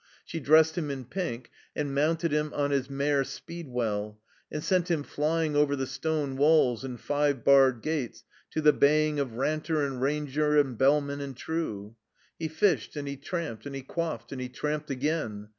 She dressed him in pink, and mounted him on his mare Speedwell, and sent him flying over the stone walls and five barred gates to the baying of "Ranter and Ranger and Bellman and True." He fished and he tramped and he quaffed and he tramped again.